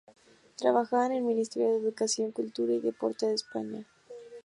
Trabaja en el Ministerio de Educación, Cultura y Deporte de España.